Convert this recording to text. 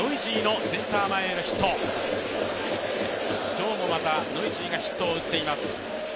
今日もまたノイジーがヒットを打っています。